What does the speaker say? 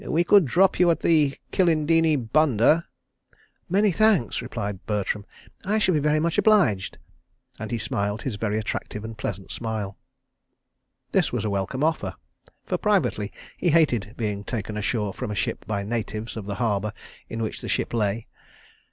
We could drop you at the Kilindini bunder." "Many thanks," replied Bertram. "I shall be very much obliged," and he smiled his very attractive and pleasant smile. This was a welcome offer, for, privately, he hated being taken ashore from a ship by natives of the harbour in which the ship lay.